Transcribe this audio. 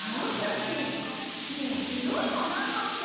もう広いのなんのって。